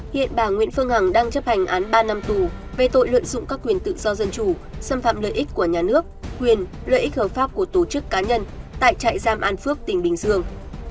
hiện bà nguyễn phương hằng đang chấp hành án ba năm tù về tội lợi dụng các quyền tự do dân chủ xâm phạm lợi ích của nhà nước quyền lợi ích hợp pháp của tổ chức cá nhân tại trại giam an phước tỉnh bình dương